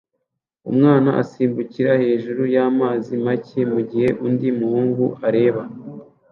Umwana asimbukira hejuru y'amazi make mugihe undi muhungu areba